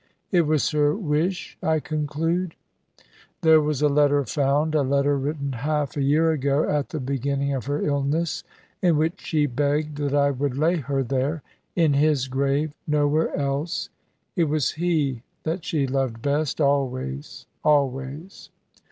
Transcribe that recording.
"It was her wish, I conclude." "There was a letter found a letter written half a year ago, at the beginning of her illness, in which she begged that I would lay her there in his grave nowhere else. It was he that she loved best, always, always.